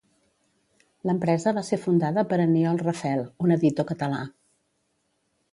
L'empresa va ser fundada per Aniol Rafel, un editor català.